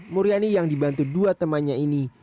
muriani yang dibantu dua temannya ini